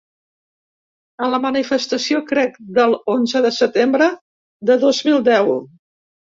A la manifestació, crec, del l’onze de setembre de dos mil deu.